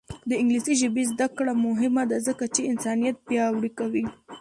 د انګلیسي ژبې زده کړه مهمه ده ځکه چې انسانیت پیاوړی کوي.